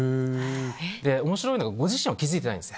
で面白いのがご自身は気付いてないんです。